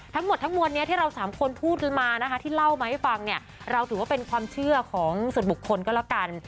ทั้งหมดทั้งมวลนี้ที่เราสามคนพูดกันมานะคะที่เล่ามาให้ฟังเนี่ยเราถือว่าเป็นความเชื่อของส่วนบุคคลก็แล้วกัน